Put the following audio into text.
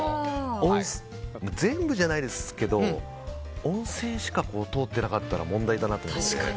全部じゃないですけど温泉しか通ってなかったら問題だなと思って。